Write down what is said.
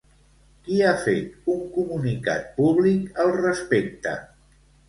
Qui ha fet un comunicat públic al respecte?